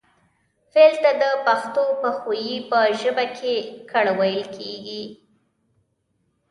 فعل ته د پښتو پښويې په ژبه کې کړ ويل کيږي